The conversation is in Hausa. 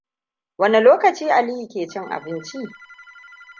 Wane lokaci Aliyu ke cin abinci?